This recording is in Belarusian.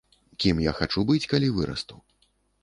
Кім я хачу быць, калі вырасту.